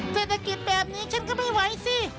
เศรษฐกิจแบบนี้ฉันก็ไม่ไหวสิ